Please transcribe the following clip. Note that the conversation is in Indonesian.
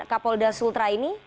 kapolda sultra ini